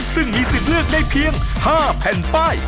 ซึ่งมีสิทธิ์เลือกได้เพียง๕แผ่นป้าย